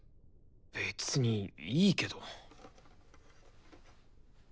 別にいいけど。